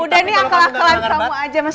udah nih angkel akalan kamu aja mas